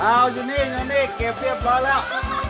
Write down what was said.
เอาอยู่นี่นี่กับเรียบรอแล้ว